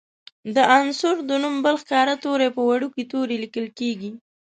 د عنصر د نوم بل ښکاره توری په وړوکي توري لیکل کیږي.